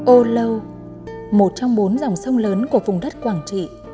ô lâu một trong bốn dòng sông lớn của vùng đất quảng trị